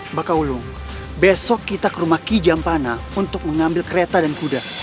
mbak kaulung besok kita ke rumah ki jampana untuk mengambil kereta dan kuda